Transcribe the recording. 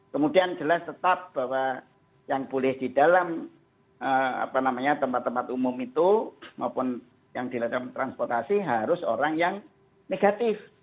kemudian jelas tetap bahwa yang boleh di dalam tempat tempat umum itu maupun yang dilakukan transportasi harus orang yang negatif